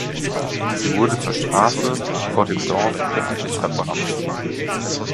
Sie wurde zur Strafe vor dem Dorf öffentlich verbrannt.